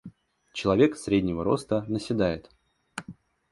Человек среднего роста наседает.